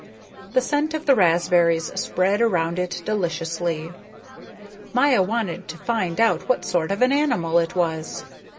The scent of the raspberries spread around it deliciously. Maya wanted to find out what sort of an animal it was.